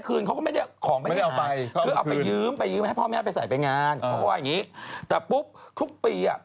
เนื่องจากคุณวิทย์นี่อายุน้อยกว่าเขาตั้งได้น่ะ๓๐๔๐ปี